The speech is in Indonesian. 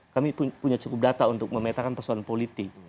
kami punya cukup data untuk memetakan persoalan politik